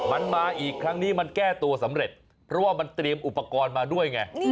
มันมาอีกครั้งนี้มันแก้ตัวสำเร็จเพราะว่ามันเตรียมอุปกรณ์มาด้วยไง